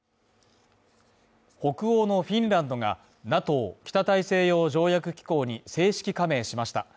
北欧のフィンランドがＮＡＴＯ＝北大西洋条約機構に正式加盟しました。